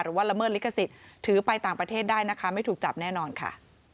ละเมิดลิขสิทธิ์ถือไปต่างประเทศได้นะคะไม่ถูกจับแน่นอนค่ะ